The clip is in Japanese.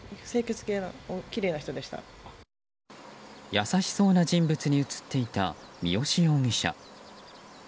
優しそうな人物に映っていた三好容疑者。